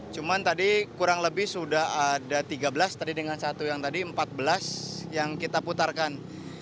cuman tadi kurang lebih sudah ada tiga belas tadi dengan satu yang tadi empat belas yang kita putarkan